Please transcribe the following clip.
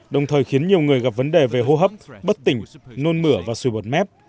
đồng thời khiến nhiều người gặp vấn đề về hô hấp bất tỉnh nôn mửa và sụi bột mép